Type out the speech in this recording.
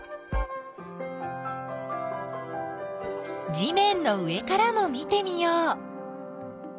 地めんの上からも見てみよう。